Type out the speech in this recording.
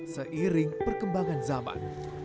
seiring perkembangan zaman